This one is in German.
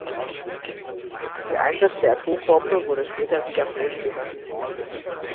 Der Einsatz der Atombombe wurde später wiederholt thematisiert.